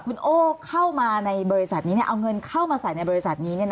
คุณโอ้เข้ามาในบริษัทนี้เอาเงินเข้ามาใส่ในบริษัทนี้